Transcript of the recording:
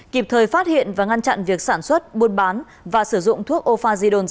kịp thời phát hiện và ngăn chặn việc sản xuất buôn bán và sử dụng thuốc ofazidone giả